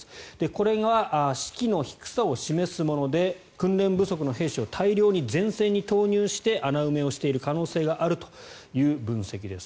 これが士気の低さを示すもので訓練不足の兵士を大量に前線に投入して穴埋めをしている可能性があるという分析です。